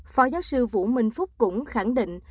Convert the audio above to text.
phó giáo sư vũ minh phúc cũng khẳng định